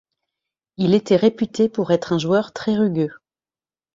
Il était réputé pour être un joueur très rugueux.